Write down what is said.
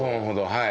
はい。